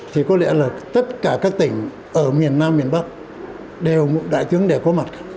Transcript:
thì có lẽ là tất cả các tỉnh ở miền nam miền bắc đều đại tướng đều có mặt